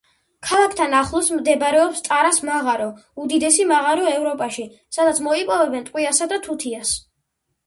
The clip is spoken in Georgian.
ქალაქთან ახლოს მდებარეობს ტარას მაღარო, უდიდესი მაღარო ევროპაში, სადაც მოიპოვებენ ტყვიასა და თუთიას.